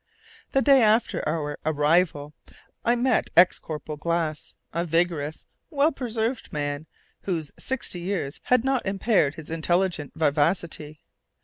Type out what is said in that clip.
The day after our arrival I met ex corporal Glass, a vigorous, well preserved man, whose sixty years had not impaired his intelligent vivacity.